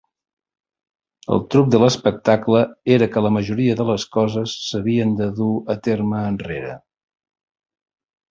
El truc de l'espectacle era que la majoria de les coses s'havien de dur a terme enrere.